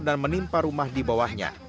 dan menimpa rumah di bawahnya